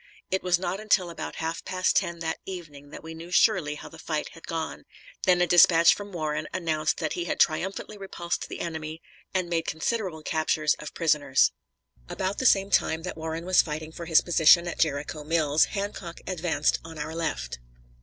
It was not until about half past ten that evening that we knew surely how the fight had gone; then a dispatch from Warren announced that he had triumphantly repulsed the enemy, and made considerable captures of prisoners. About the same time that Warren was fighting for his position at Jericho Mills, Hancock advanced on our left.